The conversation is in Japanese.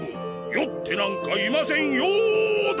酔ってなんかいませんよだ！